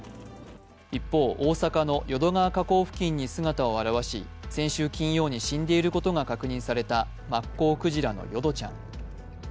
一方、大阪の淀川河口付近に姿を現し、先週金曜に死んでいることが確認されたマッコウクジラのヨドちゃん。